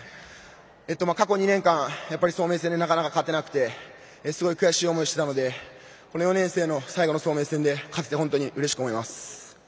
過去２年間、早明戦でなかなか勝てなくてすごい悔しい思いをしていたので４年生の最後の早明戦で勝てて本当にうれしく思います。